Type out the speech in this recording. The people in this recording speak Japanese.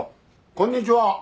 こんにちは。